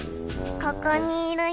ここにいるよ。